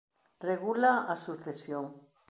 Regula a sucesión.